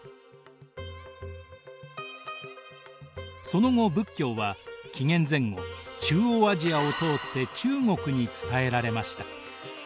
その後仏教は紀元前後中央アジアを通って中国に伝えられました。